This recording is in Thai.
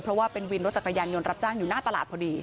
เพราะว่าเป็นวินรถจักรยานยนต์รับจ้างอยู่หน้าตลาดพอดี